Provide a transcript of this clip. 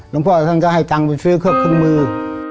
ลงพ่อฉันก็ให้ตังค์ไปซื้อเครื่องคลึงมือ